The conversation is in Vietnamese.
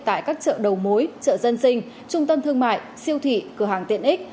tại các chợ đầu mối chợ dân sinh trung tâm thương mại siêu thị cửa hàng tiện ích